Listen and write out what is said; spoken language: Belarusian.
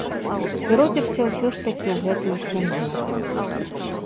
Ты родзішся ўсё ж такі ў гэтую сям'ю.